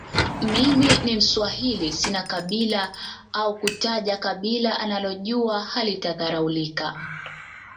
mimi ni mswahili sina kabila au kutaja kabila analojua halitadharaulika